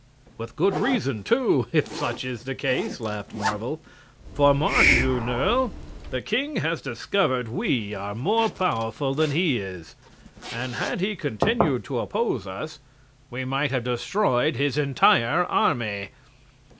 "With good reason, too, if such is the case," laughed Marvel; "for, mark you, Nerle, the king has discovered we are more powerful than he is, and had he continued to oppose us, we might have destroyed his entire army."